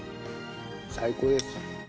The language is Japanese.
最高です。